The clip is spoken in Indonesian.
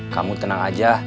kamu tenang aja